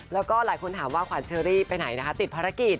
แล้วก็หลายคนถามว่าขวัญเชอรี่ไปไหนนะคะติดภารกิจ